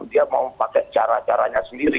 dia mau pakai cara caranya sendiri